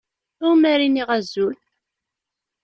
Iwumi ara iniɣ azul?